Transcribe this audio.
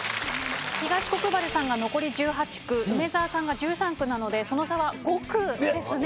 東国原さんが残り１８句梅沢さんが１３句なのでその差は５句ですね。